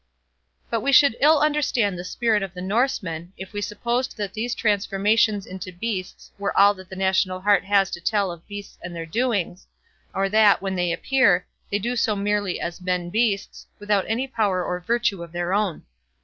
But we should ill understand the spirit of the Norsemen, if we supposed that these transformations into beasts were all that the national heart has to tell of beasts and their doings, or that, when they appear, they do so merely as men beasts, without any power or virtue of their own.